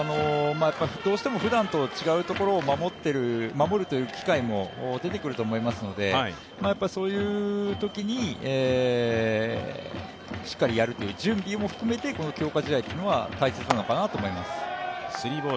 どうしてもふだんと違うところを守るという機会も出てくると思いますので、そういうときにしっかりやるという、準備を含めて強化試合っていうのは大切なのかなと思います。